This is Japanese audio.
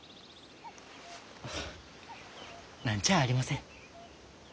あ何ちゃあありません。